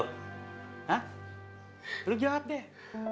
hah lo jawab deh